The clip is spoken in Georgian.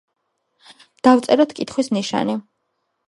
დავწეროთ კითხვის ნიშანი.